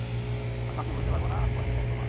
আমি মাকে বলতে পারব না, আমি পশমী টাইম বোমা।